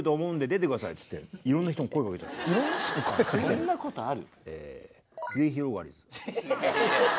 そんなことある？